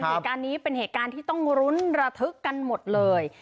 เหตุการณ์นี้เป็นเหตุการณ์ที่ต้องลุ้นระทึกกันหมดเลย